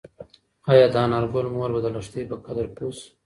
ایا د انارګل مور به د لښتې په قدر پوه شي؟